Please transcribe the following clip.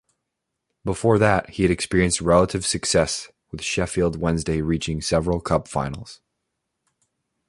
Before that he had experienced relative success with Sheffield Wednesday, reaching several cup finals.